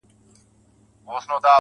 خدایه زموږ ژوند په نوي کال کي کړې بدل.